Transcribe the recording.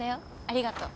ありがとう。